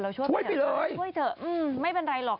ช่วยไปเลยช่วยเถอะไม่เป็นไรหรอก